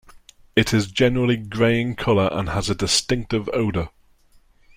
It is generally grey in color and has a distinctive odor.